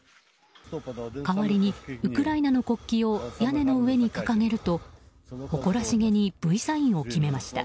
代わりにウクライナの国旗を屋根の上に掲げると誇らしげにＶサインを決めました。